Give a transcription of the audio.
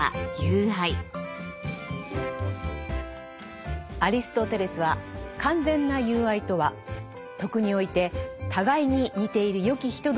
これはアリストテレスは完全な友愛とは徳において互いに似ている善き人同士のものだと言います。